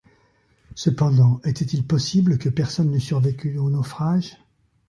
Cependant, était-il possible que personne n’eût survécu au naufrage?